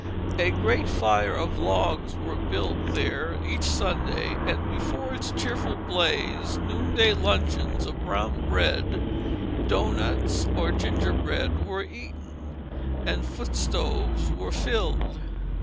A great fire of logs was built there each Sunday, and before its cheerful blaze noonday luncheons of brown bread, doughnuts, or gingerbread were eaten, and foot stoves were filled.